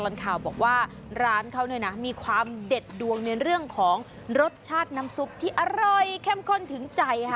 ในเรื่องของรสชาติน้ำซุปที่อร่อยแค่มข้นถึงใจค่ะ